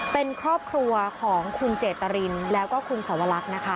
เป็นครอบครัวของคุณเจตรินแล้วก็คุณสวรรคนะคะ